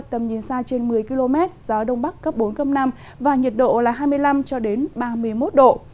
tầm nhìn xa trên một mươi km gió đông bắc cấp bốn năm và nhiệt độ là hai mươi năm ba mươi một độ